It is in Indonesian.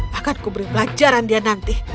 bahkan kuberi pelajaran dia nanti